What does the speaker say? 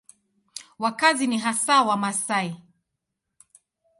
Wakazi ni hasa Wamasai.